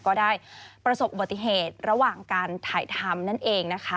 ก็ได้ประสบอุบัติเหตุระหว่างการถ่ายทำนั่นเองนะคะ